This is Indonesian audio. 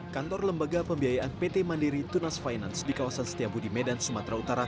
kantor lembaga pembiayaan pt mandiri tunas finance di kawasan setiabudi medan sumatera utara